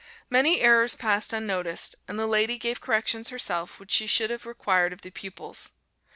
Many errors passed unnoticed, and the lady gave corrections herself which she should have required of the pupils.